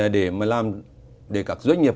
để mà làm để các doanh nghiệp